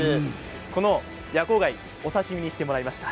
この夜光貝お刺身にしてもらいました。